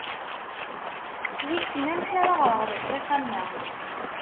Wissen amek ara ɣreɣ di ṭṭiq am wa!